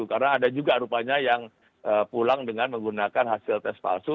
karena ada juga rupanya yang pulang dengan menggunakan hasil tes palsu